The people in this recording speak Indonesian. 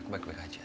aku baik baik aja